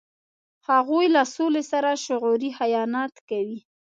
هغوی له سولې سره شعوري خیانت کوي.